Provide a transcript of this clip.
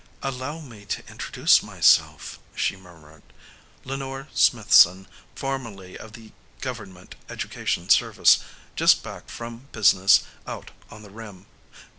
"Allow me to introduce myself," she murmured. "Lenore Smithson, formerly of the Government Education Service, just back from business out on the Rim.